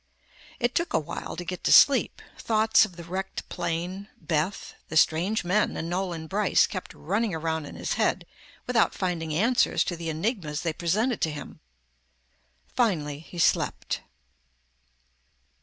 It took awhile to get to sleep. Thoughts of the wrecked plane, Beth, the strange men and Nolan Brice kept running around in his head without finding answers to the enigmas they presented to him. Finally he slept.